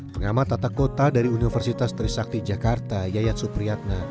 pengamat tata kota dari universitas trisakti jakarta yayat supriyatna